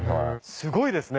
すごいですね。